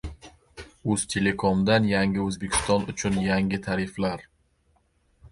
Uztelecom’dan Yangi O‘zbekiston uchun “Yangi” tariflar!